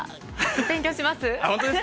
勉強します。